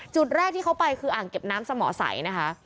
จุดแรกที่เขาไปคืออ่างเก็บน้ำสมอสัยนะคะ